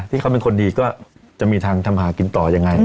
ที่เขาเป็นคนดีก็จะมีทางทำหากินต่อยังไง